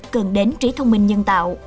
cần đến trí thông minh nhân tạo